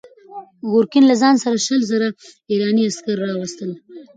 ګورګین له ځان سره شل زره ایراني عسکر راوستل.